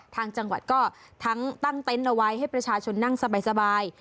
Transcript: ทางจังหวัดก็ทั้งตั้งเต็นต์เอาไว้ให้ประชาชนนั่งสบาย